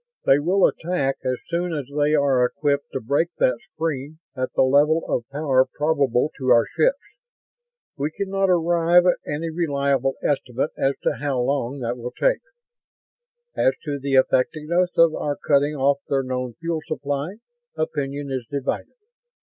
They will attack as soon as they are equipped to break that screen at the level of power probable to our ships. We can not arrive at any reliable estimate as to how long that will take. "As to the effectiveness of our cutting off their known fuel supply, opinion is divided.